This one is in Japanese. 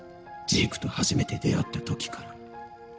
ジークと初めて出会った時から。